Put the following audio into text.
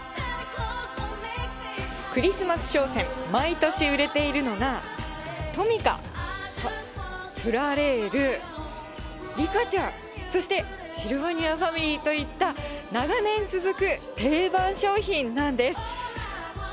クリスマス商戦、毎年売れているのがトミカ、プラレール、リカちゃん、そしてシルバニアファミリーといった、長年続く定番商品なんです。